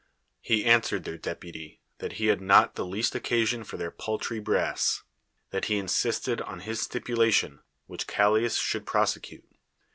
lie answered their dep uty, that he had not the least occasion for their paltry brass; that he insisted on his stipulation, which Callias should prosecute.